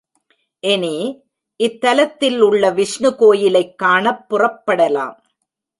இனி, இத்தலத்தில் உள்ள விஷ்ணு கோயிலைக் காணப் புறப்படலாம்.